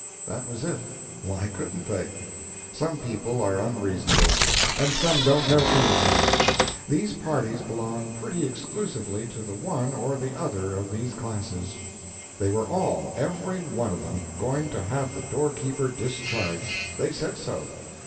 That was it—why couldn't they? Some people are unreasonable, and some don't know anything; these parties belong pretty exclusively to the one or the other of these classes. They were all—every one of them—going to have the doorkeeper discharged. They said so.